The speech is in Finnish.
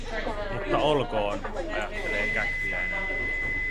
Mutta olkoon, ajattelee Käkriäinen.